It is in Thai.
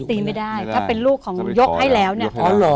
ตีไม่ได้ถ้าเป็นลูกของยกให้แล้วเนี่ยอ๋อเหรอ